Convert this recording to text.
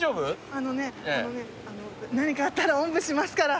あのう何かあったらおんぶしますから。